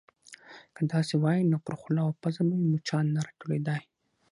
_که داسې وای، نو پر خوله او پزه به يې مچان نه راټولېدای.